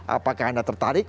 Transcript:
apakah anda tertarik